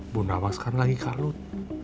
bunda amang sekarang lagi kalut